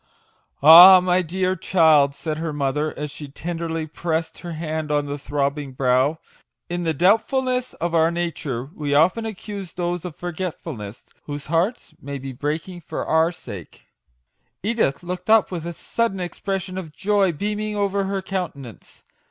"Ah, my dear child !" said her mother, as she tenderly pressed her hand on the throb bing brow, " in the doubtfulness of our nature MAGIC WORDS. 43 we often accuse those of forgetfulness whose hearts may be breaking for our sake." Edith looked up, a sudden expression of joy beaming over her countenance.